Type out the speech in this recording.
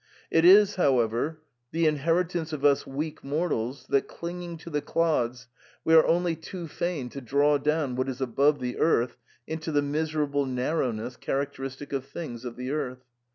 It is, however, the inheritance of us weak mortals that, clinging to the clods, we are only too fain to draw down what is above the earth into the miserable nar rowness characteristic of things of the earth.